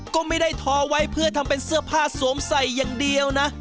ก็ไม่ได้ทอไว้เพื่อทำเป็นเสื้อผ้าสวมใส่อย่างเดียวนะ